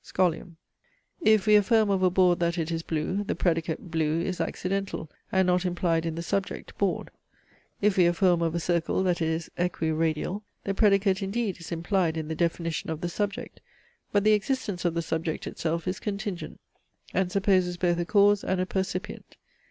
SCHOLIUM. If we affirm of a board that it is blue, the predicate (blue) is accidental, and not implied in the subject, board. If we affirm of a circle that it is equi radial, the predicate indeed is implied in the definition of the subject; but the existence of the subject itself is contingent, and supposes both a cause and a percipient.